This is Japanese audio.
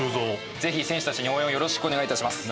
ぜひ選手たちに応援をよろしくお願いいたします。